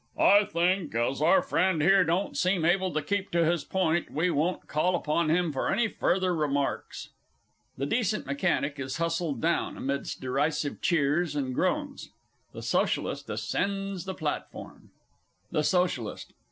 I think, as our friend here don't seem able to keep to his point, we won't call upon him for any further remarks. [THE D. M. is hustled down, amidst derisive cheers and groans; the SOCIALIST ascends the Platform. THE SOCIALIST.